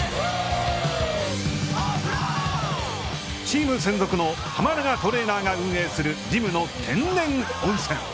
チーム専属の浜永トレーナーが運営するジムの天然温泉。